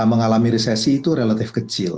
mengalami resesi itu relatif kecil